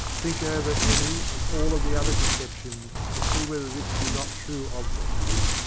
Think over any and all of the other conceptions, and see whether this be not true of them.